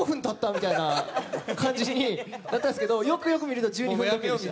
みたいな感じだったんですけどよく見たら１２分時計でした。